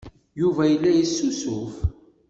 Yuba yella yessusuf.